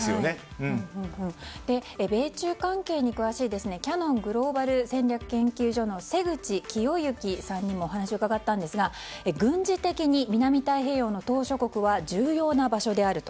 米中関係に詳しいキヤノングローバル戦略研究所の瀬口清之さんにもお話を伺ったんですが軍事的に南太平洋の島しょ国は重要な場所であると。